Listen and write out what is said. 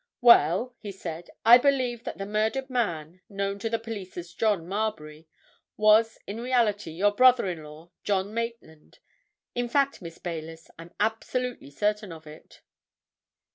"Well," he said, "I believe that the murdered man, known to the police as John Marbury, was, in reality, your brother in law, John Maitland. In fact, Miss Baylis, I'm absolutely certain of it!"